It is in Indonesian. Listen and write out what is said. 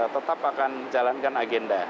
tetap akan jalankan agenda